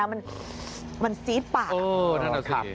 มันมันซี๊ดปากเออนั่นแหละสิ